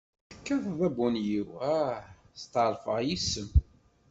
Tekkateḍ abunyiw ah! Setɛerfeɣ yis-m.